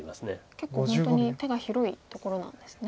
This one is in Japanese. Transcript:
結構本当に手が広いところなんですね。